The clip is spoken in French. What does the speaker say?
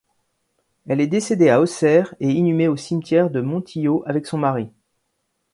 Elle est décédée à Auxerre et inhumée au cimetière de Montillot avec son mari.